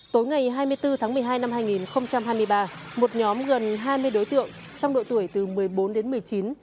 tối ngày hai mươi bốn tháng một mươi hai năm hai nghìn hai mươi ba một nhóm gần hai mươi đối tượng trong độ tuổi từ một mươi bốn đến một mươi chín